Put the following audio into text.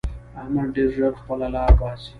احمد ډېر ژر خپله لاره باسي.